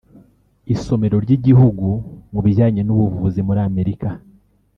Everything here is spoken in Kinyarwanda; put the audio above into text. Isomero ry’igihugu mu bijyanye n’ubuvuzi muri Amerika